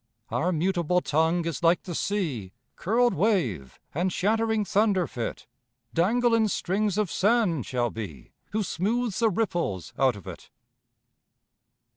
Our mutable tongue is like the sea, Curled wave and shattering thunder fit; Dangle in strings of sand shall be Who smooths the ripples out of it.